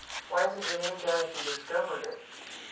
Why isn't your name down if you discovered it?"